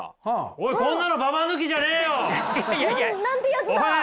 おいこんなのババ抜きじゃねえよ！なんてやつだ。